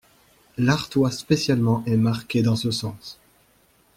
L'Artois spécialement est marqué dans ce sens.